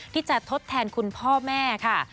ทดแทนคุณพ่อแม่ค่ะ